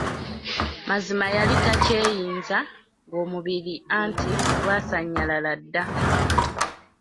Mazima yali takyeyinza ng'omubiri anti gwasannyalala dda.